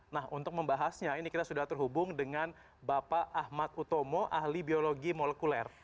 nah untuk membahasnya ini kita sudah terhubung dengan bapak ahmad utomo ahli biologi molekuler